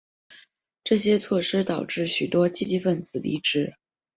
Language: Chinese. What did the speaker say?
这些措施导致许多积极份子离职。